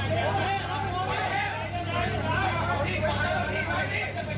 ไหน